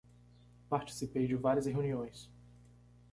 Participei de várias reuniões